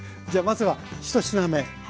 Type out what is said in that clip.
じゃあまずは１品目